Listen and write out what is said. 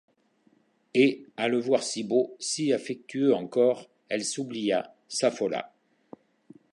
Et, à le voir si beau, si affectueux encore, elle s'oublia, s'affola.